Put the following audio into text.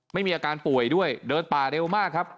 ไม่มีอาการป่วยด้วยเดินป่าเร็วมากครับ